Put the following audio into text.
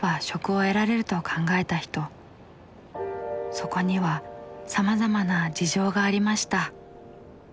そこにはさまざまな事情がありました。